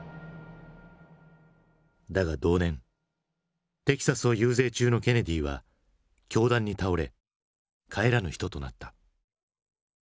だが同年テキサスを遊説中のケネディは凶弾に倒れ帰らぬ人となった。